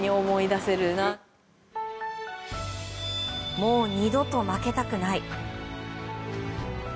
もう二度と負けたくない。